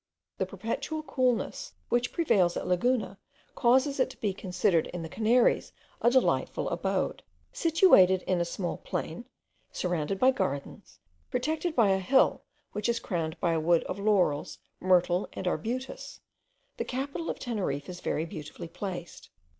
The perpetual coolness which prevails at Laguna causes it to be considered in the Canaries a delightful abode. Situated in a small plain, surrounded by gardens, protected by a hill which is crowned by a wood of laurels, myrtle, and arbutus, the capital of Teneriffe is very beautifully placed.